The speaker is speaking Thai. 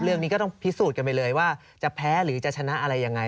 เรื่องนี้ก็ต้องพิสูจน์กันไปเลยว่าจะแพ้หรือจะชนะอะไรยังไง